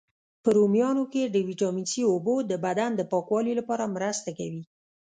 په رومیانو کی د ویټامین C، اوبو د بدن د پاکوالي لپاره مرسته کوي.